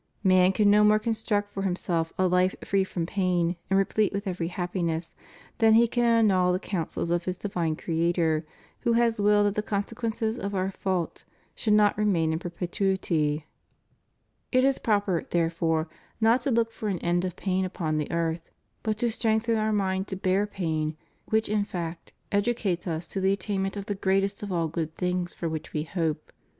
Man can no more construct for himself a life free from pain and replete with every happiness than he can annul the counsels of his divine Creator, who has willed that the consequences of our fault should remain in perpetuity* ' St. Aug. De Vera nL 37. CHRIST OUR REDEEMER. 469 It is proper, therefore, not to look for an end of pain upon the earth, but to strengthen our mind to bear pain, which, in fact, educates us to the attainment of the greatest of all good things for which we hope.